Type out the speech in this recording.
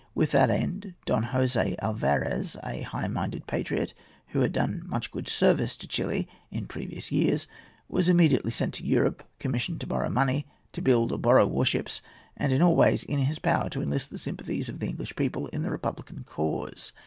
With that end Don Jose Alvarez, a high minded patriot, who had done much good service to Chili in previous years, was immediately sent to Europe, commissioned to borrow money, to build or buy warships, and in all the ways in his power to enlist the sympathies of the English people in the republican cause.